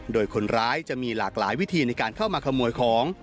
โดยคนร้ายจะมีหลากหลายวิธีในการเข้ามาขโมยของ